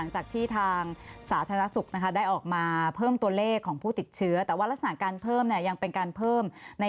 จะต้อยมีการเพิ่มการลด